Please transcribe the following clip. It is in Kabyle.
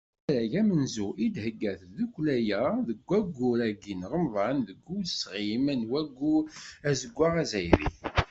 D asarag amenzu i d-thegga tddukkla-a deg waggur-agi n Remḍan, deg usɣim n Waggur Azeggaɣ Azzayri.